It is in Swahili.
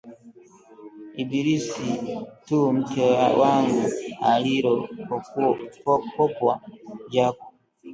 Ibilisi tu mke wangu Aliropokwa Jaku